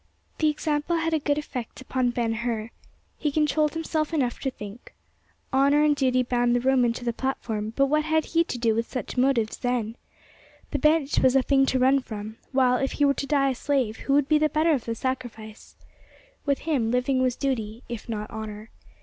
The example had a good effect upon Ben Hur. He controlled himself enough to think. Honor and duty bound the Roman to the platform; but what had he to do with such motives then? The bench was a thing to run from; while, if he were to die a slave, who would be the better of the sacrifice? With him living was duty, if not honor.